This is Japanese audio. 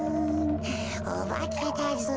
おばけだぞ。